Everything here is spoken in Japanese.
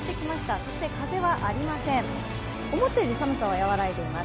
そして風はありません、思ったより寒さは和らいでいます。